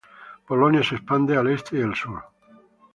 Polonia se expande al este y sur.